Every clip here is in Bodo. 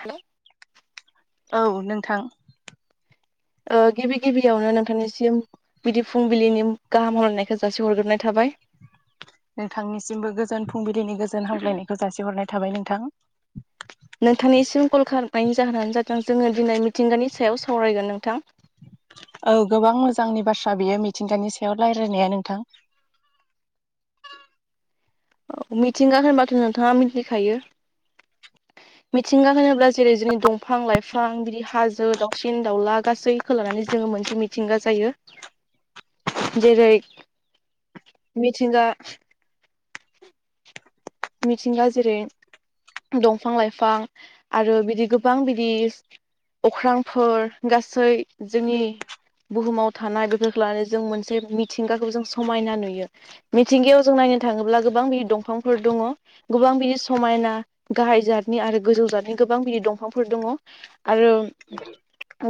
हेलौ औ नोंथां ओ गिबि गिबियावनो नोंथांनिसिम बिदि फुंबिलिनि गाहाम हामलायनायखौ जासि हरग्रोनाय थाबाय नोंथांनिसिमबो गोजोन फुंबिलिनि गोजोन हामग्लायनायखौ जासिहरनाय थाबाय नोंथां नोंथांनिसिम कल खालामनायनि जाहोनानो जादों जोङो दिनै मिथिंगानि सायाव सावरायगोन नोंथां औ गोबां मोजांनि बाथ्रा बेयो मिथिंगानि सायाव लायरायनाया नोंथां औ मिथिंगा होनबाथ' नोंथाङा मिथिखायो मिथिंगा होनोब्ला जेरै जोंनि दंफां-लाइफां बिदि हाजो दावसिन-दाउला गासै खो लानानै जोङो मोनसे मिथिंगा जायो। जेरै मिथिंगा मिथिंगा जेरै दंफां-लाइफां आरो बिदि गोबां बिदि अख्रांफोर गासै जोंनि बुहुमाव थानाय बेफोरखौ लानानै जों मोनसे मिथिंगाखौ जों समायना नुयो मिथिंगायाव जों नायनो थाङोब्ला गोबां बिदि दंफांफोर दङ' गोबां बिदि समायना गाहाय जाथनि आरो गोजौ जाथनि गोबां बिदि दंफांफोर दङ' आरो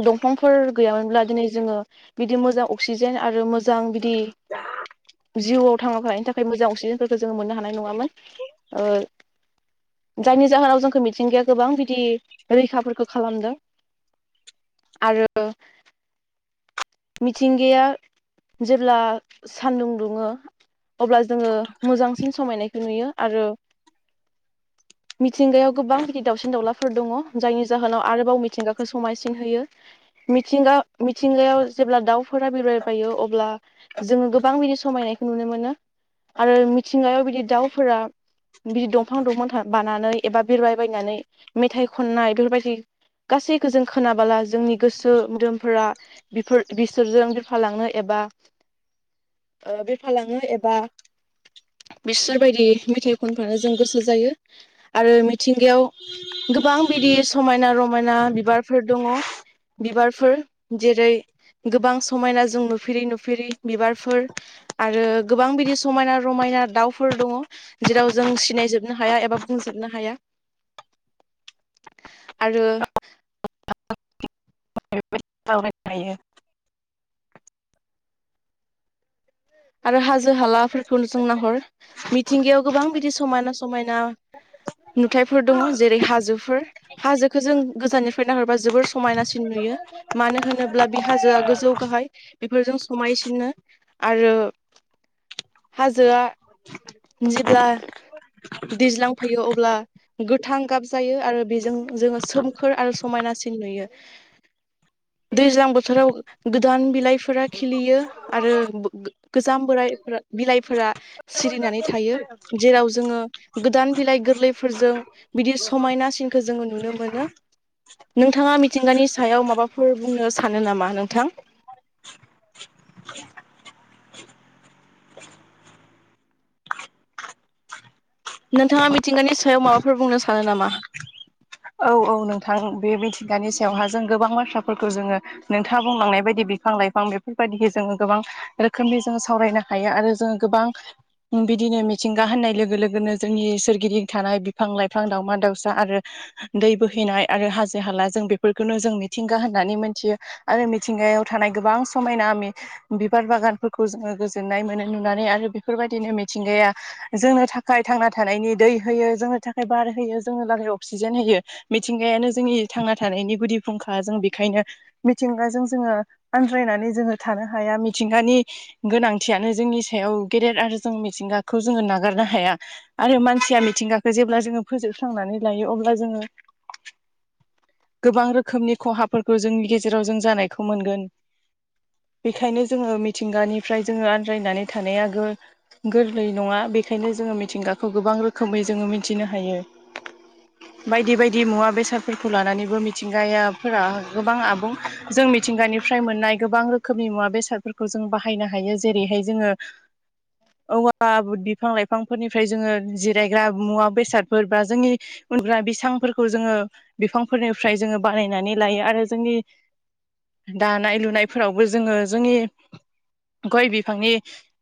दंफांफोर गैयामोनब्ला दिनै जोङो बिदि मोजां अक्सिजेन आरो मोजां बिदि जिउआव थांना थानायनि थाखाय मोजां अक्सिजेनफोरखौ जोङो मोननो हानाय नङामोन ओ जायनि जाहोनाव जोंखौ मिथिंगाया गोबां बिदि रैखाफोरखो खालामदों आरो मिथिंगाया जेब्ला सान्दुं दुङो अब्ला जोङो मोजांसिन समायनायखौ नुयो आरो मिथिंगायाव गोबां बिदि दाउसिन-दाउलाफोर दङ' जायनि जाहोनाव आरोबाव मिथिंगाखौ समायसिन होयो मिथिंगा मिथिंगायाव जेब्ला दाउफोरा बिरबायबायो अब्ला जोङो गोबां बिदि समायनायखौ नुनो मोनो आरो मिथिंगायाव बिदि दाउफोरा बिदि दंफां दंफां था बानानै एबा बिरबाय बायनानै मेथाइ खननाय बेफोरबायदि गासैखो जों खोनाबाला जोंनि गोसो मोदोमफोरा बिफोर बिसोरजों बिरफालांनो एबा ओ बिरफालाङो एबा बिसोरबायदि मेथाइ खनफानो जों गोसो जायो आरो मिथिंगायाव गोबां बिदि समायना-रमायना बिबारफोर दङ' बिबारफोर जेरै गोबां समायना जों नुफेरि नुफेरि बिबारफोर आरो गोबां बिदि समायना रमायना दाउफोर दंङो। जेराव जों सिनायजोबनो हाया एबा बुंजोबनो हाया। आरो बेबायदि सावराय थायो आरो हाजो हालाफोरखौ जों नाहर मिथिंगायाव गोबां बिदि समायना समायना नुथायफोर दंङो जेरै हाजोफोर हाजोखौ जों गोजाननिफ्राय नाहरबा जोबोर समायनासिन नुयो। मानो होनोब्ला बि हाजोआ गोजौ गाहाय बेफोरजों समायसिनो आरो हाजोआ जेब्ला दैज्लांफैयो अब्ला गोथां गाब जायो आरो बेजों जोंङो सोमखोर आरो समायनासिन नुयो दैज्लां बोथोराव गोदान बिलाइफोरा खिलियो आरो गोजाम बोरायफोरा बिलाइफोरा सिरिनानै थायो जेराव जोंङो गोदान बिलाइ गोरलैफोरजों बिदि समायनासिनखौ जोंङो नुनो मोनो नोंथांङा मिथिंगानि सायाव माबाफोर बुंनो सानो नामा नोंथां नोंथांङा मिथिंगानि सायाव माबाफोर बुंनो सानो नामा? औ औ नोंथां बे मिथिंगानि सायावहा जों गोबां बाथ्राफोरखौ जोंङो नोंथांङा बुंलांनाय बायदि बिफां- लाइफां बेफोरबायदिहै जोंङो गोबां रोखोमनि जोंङो सावरायनो हायो आरो जोंङो गोबां बिदिनो मिथिंगा होननाय लोगो लोगोनो जोंनि सोरगि थानाय बिफां - लाइफां दावमा दावसा आरो [inaudible] दै बोहैनाय आरो हाजो हाला जों बेफोरखौनो जों मिथिंगा होननानै मोनथियो आरो मिथिंगायाव थानाय गोबां समायना आ बिबार बागानफोरखौ जोंङो गोजोननाय मोनो नुनानै आरो बेफोरबायदिनो मिथिंगाया जोंनो थाखाय थांना थानायनि दै होयो जोंनो थाखाय बार होयो जोंनि थाखाय अक्सिजेन होयो। मिथिंगायानो जोंनि थांना थानायनि गुदि फुंखा जों बेखायनो मिथिंगाजों जोंङो आनन्द्रायनानै जोंङो थानो हाया मिथिंगानि गोनांथियानो जोंनि सायाव गेदेर आरो जों मिथिंगाखौ जोंङो नागारनो हाया। आरो मानसिया मिथिंगाखौ जेब्ला जोंङो फोजोबस्रांनानै लायो अब्ला जोंङो गोबां रोखोमनि खहाफोरखौ जोंनि गेजेराव जों जानायखौ मोनगोन बेखायनो जोंङो मिथिंगानिफ्राय जोंङो आन्द्रायनानै थानाय आ गोरलै नंङा बेखायनो जोंङो मिथिंगाखौ गोबां रोखोमै जोंङो मिथिनो हायो। बायदि बायदि दि मुवा बेसादफोरखौ लानानैबो मिथिंगायाफोरा गोबां आबुं जों मिथिंगानिफ्राय मोननाय गोबां रोखोम रोखोमनि मुवा बेसादफोरखौ जों बाहायनो हायो जेरैहाय जोंङो [inaudible] औवा बिफां - लाइफांफोरनिफ्राय जोंङो जिरायग्रा मुवा बेसादफोर बा जोंनि उन्दुग्रा बिस्रांफोरखौ जोंङो बिफांफोरनिफ्राय जोंङो बानायनानै लायो आरो जोंनि दानाय लुनायफोरावबो जोंङो जोंनि गय बिफांनि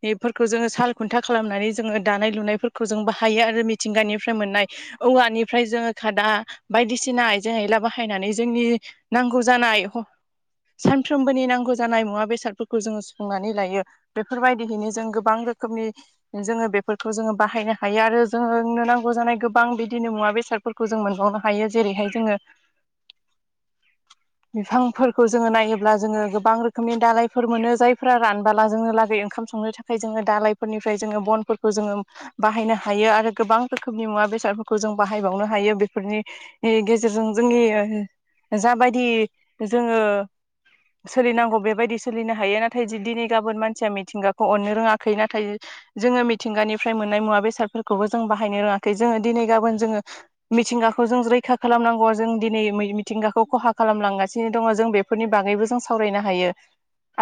बेफोरखौ जोंङो साल खुन्था खालामनानै जोंङो दानाय लुनायफोरखौ जों बाहायो आरो मिथिंगानिफ्राय मोननाय औवानिफ्राय जोंङो खादा बायदिसिना आइजें आयला बाहायनानै जोंनि नांगौ जानाय सानफ्रोमबोनि नांगौ जानाय मुवा बेसादफोरखौ जोंङो सुफुंनानै लायो। बेफोरबायदियैनो जों गोबां रोखोमनि जोंङो बेफोरखौ जोंङो बाहायनो हायो आरो जोंङोनो नांगौ जानाय गोबां बिदिनो मुवा बेसादफोरखौ जों मोनबावनो हायो। हायो जेरैहाय जोंङो [inaudible] बिफांफोरखौ जोंङो नायोब्ला जोंङो गोबां रोखोमनि दालायफोर मोनो जायफोरा रानबोला जोंङो लागै ओंखाम संनो थाखाय जोङो दालायफोरनिफ्राय जोङो बनफोरखौ जोङो बाहायनो हायो आरो गोबां रोखोमनि मुवा बेसादफोरखौ जों बाहायबावनो हायो बेफोरनि गेजेरजों जोंनि जाबायदि जोङो सोलिनांगौ बेबायदि सोलिनो हायो नाथाय दिनै गाबोन मानसिया मिथिंगाखौ अननो रोङाखै नाथाय जोङो मिथिंगानिफ्राय मोननाय मुवा बेसादफोर खौबो जों बाहायनो रोङाखै जोङो दिनै गाबोन जो मिथिंगा खौ जों रैखा खालामनांगौ जों दिनै मिथिंगाखौ खहा खालामलांगासिनो दङ जों बे फोरनि बागैबो जों सावरायनो हायो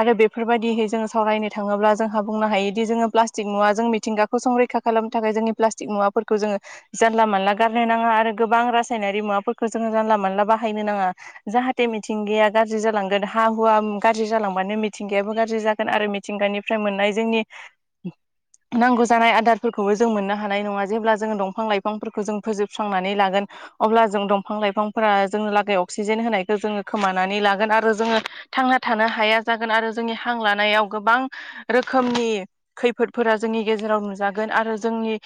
आरो बेफोरबायदिहै जोङो सावरायनो थाङोब्ला जोंहा बुंनो हायोदि जोङो प्लास्टिक मुवा जों मिथिंगा खौ संरैखा खालामनो थाखाय जोंनि प्लास्टिक मुवाफोरखौ जोङो जानला मानला गारनो नाङा आरो गोबां रासायनारि मुवाफोरखौ जोङो जानला मानला बाहायनो नाङा जाहाथे मिथिंगाया गाज्रि जालांगोन हा हुवा गाज्रि जालांबानो मिथिंगायाबो गाज्रि जागोन आरो मि थिंगानिफ्राय मोननाय जोंनि नांगौ जानाय आदारफोरखौबो जों मोननो हानाय नङा जेब्ला जोङो दंफां लाइफांफोरखौ जों फोजोबस्रांनानै ला गोन अब्ला जों दंफां लाइफांफोरा जोंनि लागै अक्सिजेन होनायखौ जोङो खोमानानै लागोन आरो जोङो थांना थानो हाया जागोन आरो जोंनि हां लानायाव गोबां रोखोमनि खैफोदफोरा जोंनि गेजेराव नुजागोन आरो जोंनि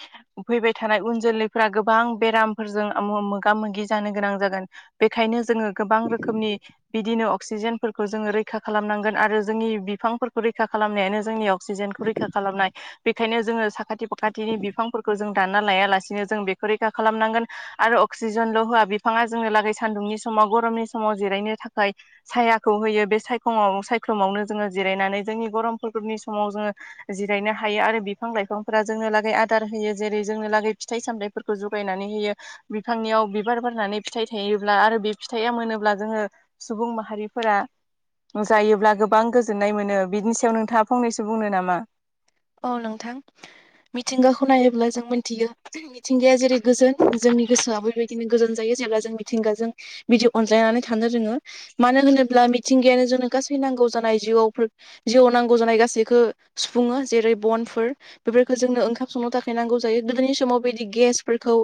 फैबाय थानाय उन जोलैफोरा गोबां बेरामफोरजों मोगा मोगि जानो गोनां जागोन बेखायनो जोङो गोबां रोखोमनि बिदिनो अक्सिजेनफोरखौ जोङो रैखा खालामनांगोन आरो जोंनि बिफांफोरखौ रैखा खालामनायानो जोंनि अक्सिजेनखौ रैखा खालामनाय बेखायनो जोङो साखाथि फाखाथिनि बिफांफोरखौ जों दानना लायालासिनो जों बेखौ रैखा खालामनांगोन आरो अक्सिजेनल' होआ बिफाङा जोंहा लागै सान्दुंनि समाव गरमनि समाव जिरायनो थाखाय सायाखौ होयो बे सायखङाव सायख्लुमावनो जोङो जिरायनानै जोंनि गरम फोरबोनि समाव जोङो जिरायनो हायो आरो बिफां लाइफांफोरा जोंनो लागै आदार होयो जेरै जोंनो लागै फिथाइ सामथाइफोर खौ जुगायनानै होयो बिफांनियाव बिबार बारनानै फिथाइ थायोब्ला आरो बे फिथाइया मोनोब्ला जोङो सुबुं माहारिफोरा जायोब्ला गोबां गोजोननाय मोनो बिनि सायाव नोंथाङा फंनैसो बुंनो नामा औ नोंथां मिथिंगाखौ नायोब्ला जों मिथियो मिथिंगाया जेरै गोजोन जोंनि गोसोआबो बेबायदिनो गोजोन जायो जेब्ला जों मिथिंगाजों बिदि अनज्लायनानै थानो रोङो मानो होनोब्ला मिथिंगायानो जोंनो गासै नांगौ जानाय जिउआवफोर जिउआव नांगौ जानाय गासैखौ सुफुङो जेरै बनफोर बेफोरखौ जोंनो ओंखाम संनो थाखाय नांगौ जायो गोदोनि समाव बिदि गेसफोरखौ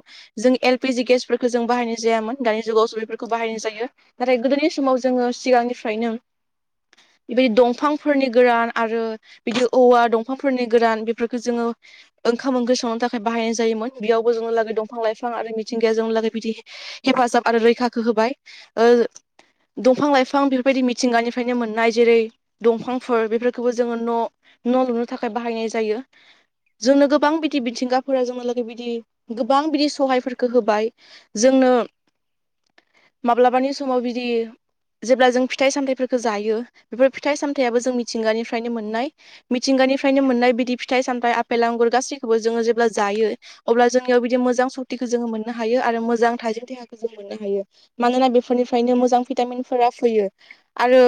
जों एलपिजि गेसफोरखौ जों बाहायनाय जायामोन दानि जुगावसो बेफोरखौ बाहायनाय जायो नाथाय गोदोनि समाव जोङो सिगांनिफ्रायनो बेबायदि दंफांफोरनि गोरान आरो बिदि औवा दं फांफोरनि गोरान बेफोरखौ जोङो ओंखाम ओंख्रि संनो थाखाय बाहायनाय जायोमोन बेयावबो जोंनि लागै दंफां लाइफां आरो मिथिंगाया जोंनि लागै बिदि हेफाजाब आरो रैखाखौ होबाय ओ दंफां लाइफां बेफोरबायदि मिथिंगानिफ्रायनो मोननाय जेरै दंफांफोर बेफोरखौबो जोङो न' न' लुनो थाखाय बाहायनाय जायो जोंनो गोबां बिदि मिथिंगाफोरा जोंनो लागै बिदि गोबां बिदि सहायफोरखौ होबाय जोंनो माब्लाबानि समाव बिदि जेब्ला जों फिथाइ सामथाइफोरखौ जायो बेफोर फिथाइ सामथाइयाबो जों मिथिंगानिफ्रायनो मोननाय मिथिंगानिफ्रायनो मोननाय बिदि फिथाइ सामथाइ आपेेल आंगुर गासैखौबो जोङो जेब्ला जायो अब्ला जोंनियाव बिदि मोजां सक्तिखौ जोङो मोननो हायो आरो मोजां थाजि देहाखौ जों मोननो हायो मानोना बेफोरनिफ्रायनो मोजां भिटामिनफोरा फैयो आरो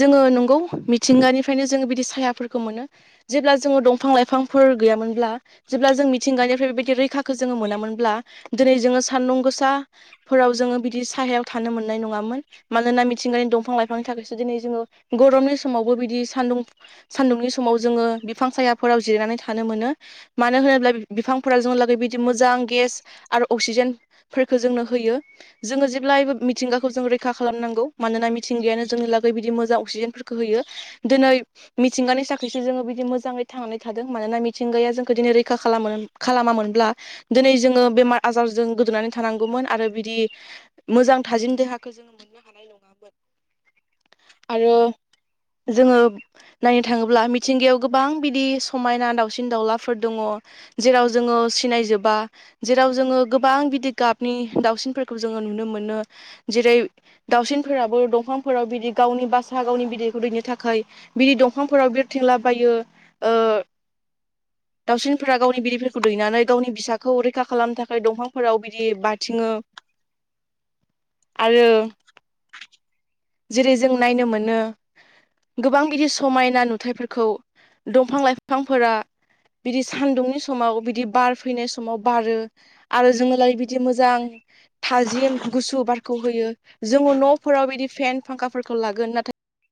जोङो नंगौ मिथिंगानिफ्रायनो जोङो बिदि सायाफोरखौ मोनो जेब्ला जोङो दंफां लाइफांफोर गैयामोनब्ला जेब्ला जों मिथिंगानिफ्राय बेबायदि रैखाखौ जोङो मोनामोनब्ला दिनै जोङो सान्दुं गोसा फोराव जोङो बिदि साहायाव थानो मोननाय नङामोन मानोना मिथिंगानि दंफां लाइफांनि थाखायसो दिनै जोङो गरमनि समावबो बिदि सान्दुं सान्दुंनि समाव जोङो बिफां सायाफोराव जिरायनानै थानो मोनो मानो होनोब्ला बिफांफोरा जोंहालागै बिदि मोजां गेस आरो अक्सिजेन फोरखो जोंनो होयो जोङो जेब्लायबो मिथिंगाखौ जों रैखा खालामनांगौ मानोना मिथिंगायानो जोंनि लागै बिदि मोजां अक्सिजेनफोरखौ होयो दोनै मिथिंगानि थाखायसो जोङो बिदि मोजाङै थांनानै थादों मानोना मिथिंगाया जोंखौ दिनै रैखा खालामो खालामामोनब्ला दिनै जोङो बेमार आजारजों गोदोनानै थानांगौमोन आरो बिदि मोजां थाजिम देहाखौ जोङो मोननो हानाय नङामोन आरो जोङो नायनो थाङोब्ला मिथिंगायाव गोबां बिदि समायना दावसिन दावलाफोर दङ जेराव जोङो सिनायजोबा जेराव जोङो गोबां बिदि गाबनि दाावसिनफोरखौ जोङो नुनो मोनो जेरै दाउसिनफोराबो दंफांफोराव बिदि गावनि बासा गावनि बिदैखौ दैनो थाखाय बिदि दं फांफोराव बिरथिंलाबायो दाउसिनफोरा गावनि बिदझफोरखौ दैनानै गावनि फिसाखौ रैखा खालामनो थाखाय दंफांफोराव बिदि बाथिङो आरो जेरै जों नायनो मोनो गोबां बिदि समायना नुथायफोरखौ दंफां लाइफांफोरा बिदि सान्दुंनि समाव बिदि बार फैनाय समाव बारो आरो जोंनोलाय बिदि मोजां थाजिम गुसु बारखौ होयो जोङो न'फोराव बिदि फेन फांखाफोरखौ लागोन नाथाय